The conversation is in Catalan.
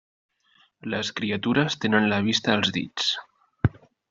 Les criatures tenen la vista als dits.